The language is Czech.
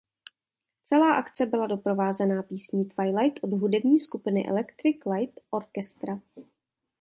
Celá akce byla doprovázená písní „Twilight“ od hudební skupiny Electric Light Orchestra.